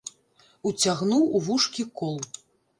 Уцягнуў у вушкі кол.